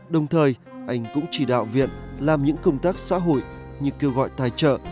đồng thời anh cũng chỉ đạo viện làm những công tác xã hội như kêu gọi tài trợ